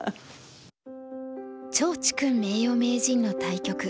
趙治勲名誉名人の対局。